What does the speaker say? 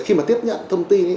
khi mà tiếp nhận thông tin ấy